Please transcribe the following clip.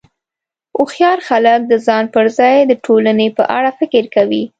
هوښیار خلک د ځان پر ځای د ټولنې په اړه فکر کوي.